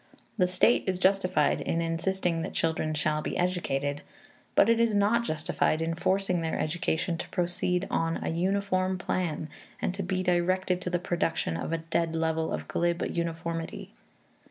The state is justified in insisting that children shall be educated, but it is not justified in forcing their education to proceed on a uniform plan and to be directed to the production of a dead level of glib uniformity.